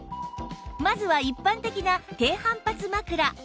まずは一般的な低反発枕